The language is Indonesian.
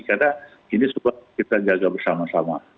karena ini kita jaga bersama sama